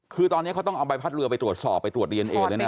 คือตอนนี้เขาต้องเอาใบพัดเรือไปตรวจสอบไปตรวจดีเอนเอเลยนะ